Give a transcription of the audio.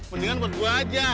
mendingan buat gua aja